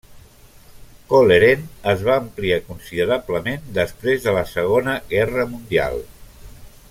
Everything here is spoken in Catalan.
Coleraine es va ampliar considerablement després de la Segona Guerra Mundial.